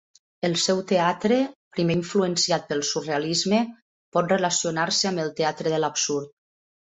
El seu teatre, primer influenciat pel Surrealisme, pot relacionar-se amb el Teatre de l'absurd.